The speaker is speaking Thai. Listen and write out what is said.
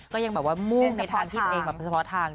ก็ยังแบบว่ามุ่งในทางที่ตัวเองแบบเฉพาะทาง